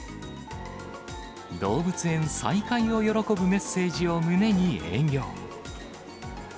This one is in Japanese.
動物園再開を喜ぶメッセージを胸に営業。